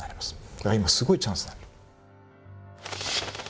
だから、今すごいチャンスなの。